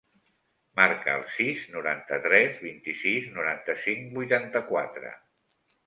Marca el sis, noranta-tres, vint-i-sis, noranta-cinc, vuitanta-quatre.